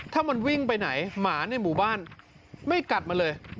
ถ้ามันวิ่งไปไหนหมาในหมู่บ้านไม่กัดมันเลย